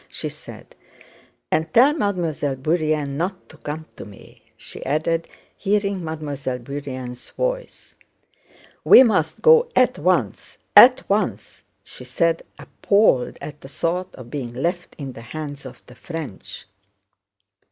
she said, "and tell Mademoiselle Bourienne not to come to me," she added, hearing Mademoiselle Bourienne's voice. "We must go at once, at once!" she said, appalled at the thought of being left in the hands of the French.